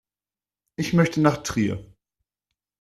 Ich möchte nach Trier